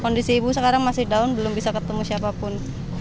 kondisi ibu sekarang masih down belum bisa ketemu siapapun